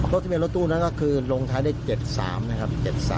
ทะเบียรถตู้นั้นก็คือลงท้ายได้๗๓นะครับ